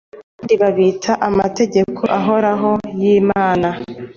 kandi babita amategeko ahoraho y’Imana